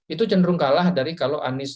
itu cenderung kalah dari kalau anies